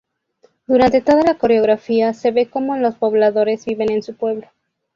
Durante toda la coreografía se ve cómo los pobladores viven en su pueblo.